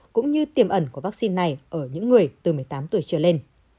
cũng như tiềm ẩn của vaccine này ở những người từ một mươi tám tuổi trở lên